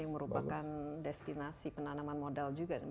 yang merupakan destinasi penanaman modal juga